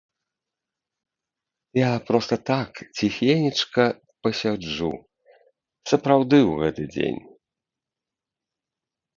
Я проста так ціхенечка пасяджу сапраўды ў гэты дзень.